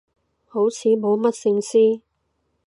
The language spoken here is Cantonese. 好似冇乜聖詩